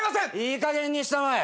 いいかげんにしたまえ。